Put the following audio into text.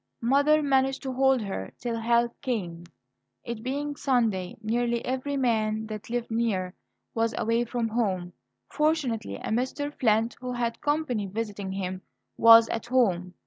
Mother managed to hold her till help came. It being Sunday, nearly every man that lived near was away from home. Fortunately, a Mr. Flint, who had company visiting him, was at home.